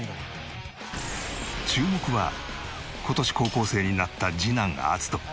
注目は今年高校生になった次男アツト。